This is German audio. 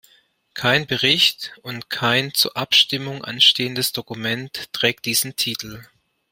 Kein Bericht und kein zur Abstimmung anstehendes Dokument trägt diesen Titel.